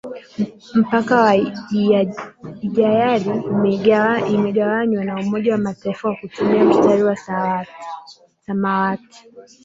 mpaka wa ijayar imeigawanywa na umoja wa mataifa kwa kutumia mstari wa samawati